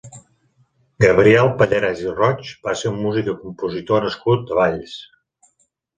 Gabriel Pallarès i Roig va ser un músic i compositor nascut a Valls.